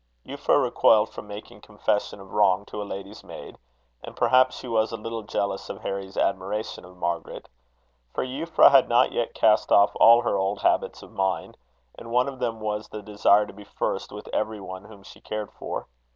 Euphra recoiled from making confession of wrong to a lady's maid; and, perhaps, she was a little jealous of Harry's admiration of Margaret. For Euphra had not yet cast off all her old habits of mind, and one of them was the desire to be first with every one whom she cared for.